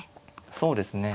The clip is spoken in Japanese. そうですね。